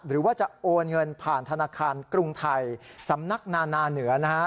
หรือว่าจะโอนเงินผ่านธนาคารกรุงไทยสำนักนานาเหนือนะฮะ